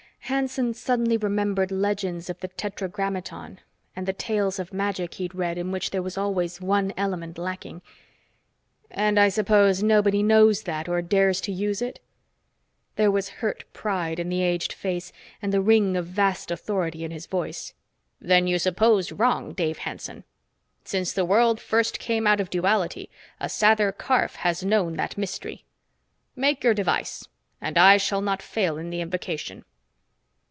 Hanson suddenly remembered legends of the tetragrammaton and the tales of magic he'd read in which there was always one element lacking. "And I suppose nobody knows that or dares to use it?" There was hurt pride of the aged face and the ring of vast authority in his voice. "Then you suppose wrong, Dave Hanson! Since this world first came out of Duality, a Sather Karf has known that mystery! Make your device and I shall not fail in the invocation!"